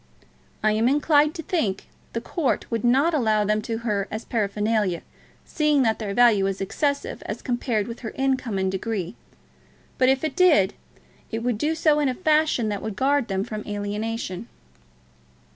"I am inclined to think the court would not allow them to her as paraphernalia, seeing that their value is excessive as compared with her income and degree; but if it did, it would do so in a fashion that would guard them from alienation."